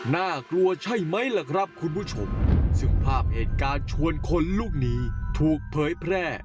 น่ากลัวใช่ไหมล่ะครับคุณผู้ชมซึ่งภาพเหตุการณ์ชวนคนลูกนี้ถูกเผยแพร่